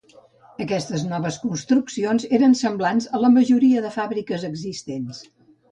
Aquestes noves construccions eren semblants a la majoria de fàbriques existents.